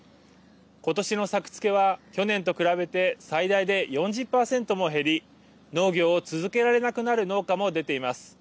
今年の作付けは去年と比べて最大で４０％も減り農業を続けられなくなる農家も出ています。